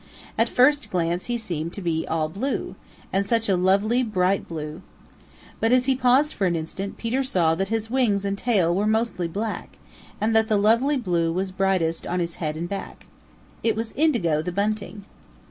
At first glance he seemed to be all blue, and such a lovely bright blue. But as he paused for an instant Peter saw that his wings and tail were mostly black and that the lovely blue was brightest on his head and back. It was Indigo the Bunting.